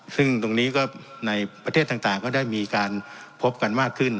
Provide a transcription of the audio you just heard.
ซึ่งตรงนี้ก็ในประเทศต่างก็ได้มีการพบกันมากขึ้น